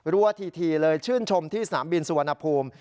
ทีเลยชื่นชมที่สนามบินสุวรรณภูมิ